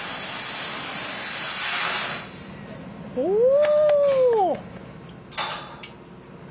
おお！